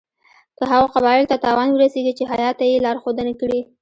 که هغو قبایلو ته تاوان ورسیږي چې هیات ته یې لارښودنه کړې.